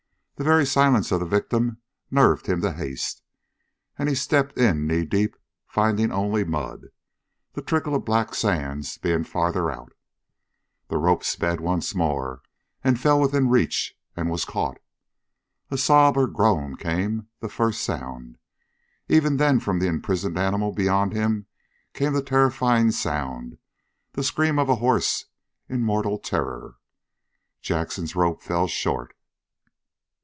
The very silence of the victim nerved him to haste, and he stepped in knee deep, finding only mud, the trickle of black sands being farther out. The rope sped once more, and fell within reach was caught. A sob or groan came, the first sound. Even then from the imprisoned animal beyond him came that terrifying sound, the scream of a horse in mortal terror. Jackson's rope fell short.